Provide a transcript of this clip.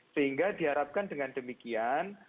sehingga diharapkan dengan demikian